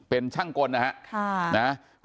เป็นช่างกลนะครับ